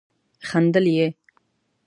خندل يې.